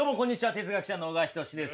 哲学者の小川仁志です。